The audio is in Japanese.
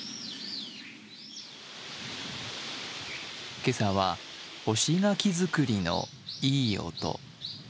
今朝は干し柿作りのいい音。